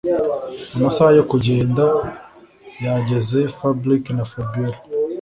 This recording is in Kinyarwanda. amasaha yo kugenda yageze fabric na fabiora